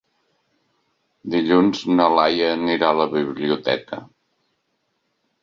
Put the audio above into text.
Dilluns na Laia anirà a la biblioteca.